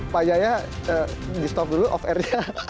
pak jaya stop dulu offernya